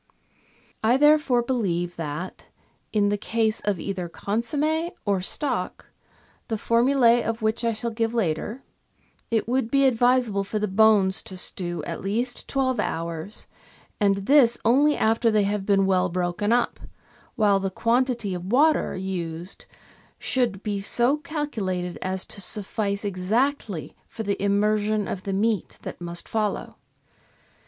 I therefore believe that, in the case of either consomme or stock, the formulas of which I shall give later, it would be ad visable for the bones to stew at least twelve hours, and this only after they have been well broken up, while the quantity of water used should be so calculated as to suffice exactly for the im mersion of the meat that must follow.